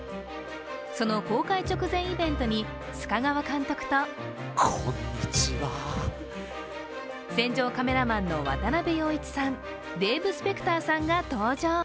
その公開直前イベントに須賀川監督と戦場カメラマンの渡部陽一さん、デーブ・スペクターさんが登場。